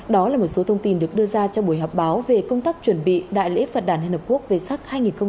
đó là một số thông tin được đưa ra trong buổi họp báo về công tác chuẩn bị đại lễ phật đàn liên hợp quốc về sắc hai nghìn một mươi chín